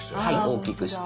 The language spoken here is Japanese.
大きくして。